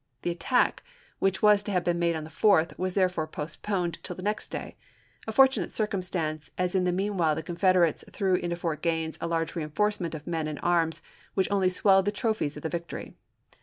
The attack, which was to have been made on the 4th, was therefore postponed till the Farragut nex^ ^ay — a fortunate circumstance, as in the *itepJrt8' meanwhile the Confederates threw into Fort Gaines o!t£eeNavy a large reenforcement of men and arms, which only pr.ioo.' swelled the trophies of the victory.